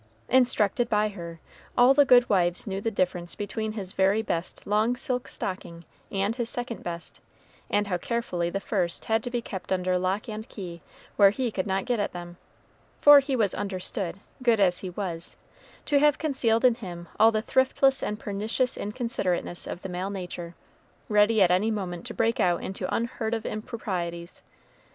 Instructed by her, all the good wives knew the difference between his very best long silk stocking and his second best, and how carefully the first had to be kept under lock and key, where he could not get at them; for he was understood, good as he was, to have concealed in him all the thriftless and pernicious inconsiderateness of the male nature, ready at any moment to break out into unheard of improprieties.